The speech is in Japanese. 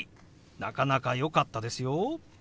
なかなかよかったですよ。